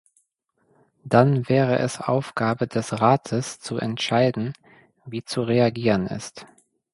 Dann wäre es Aufgabe des Rates, zu entscheiden, wie zu reagieren ist.